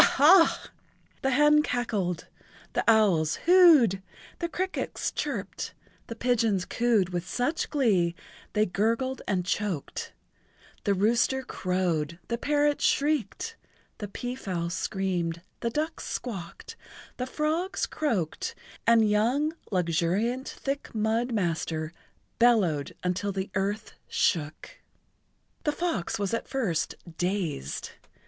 ha's! the hen cackled, the owls whoo ed, the crickets chirped, the pigeons coo ed with such glee they gurgled and choked, the rooster crowed, the parrot shrieked, the peafowl screamed, the ducks squawked, the frogs croaked and young Luxuriant Thick Mud Master bellowed until the earth shook. The fox was at first dazed.